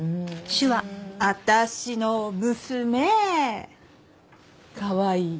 私の娘かわいい。